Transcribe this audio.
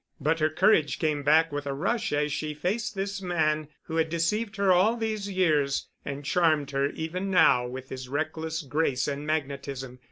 But her courage came back with a rush as she faced this man who had deceived her all these years—and charmed her even now with his reckless grace and magnetism.